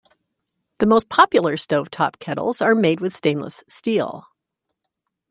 The most popular stovetop kettles are made with stainless steel.